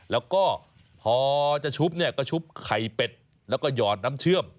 แล้วก็พอจะชุบเนี่ยก็ชุบไข่เป็ดแล้วก็หยอดน้ำเชื่อม